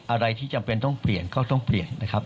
อะไรที่จำเป็นต้องเปลี่ยนก็ต้องเปลี่ยนนะครับ